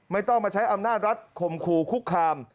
ไม่ต้องมาใช้อำนาจรัฐคมคู่คุกคาม